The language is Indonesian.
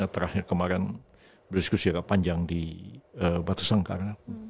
terakhir kemarin berdiskusi agak panjang di batu sangkar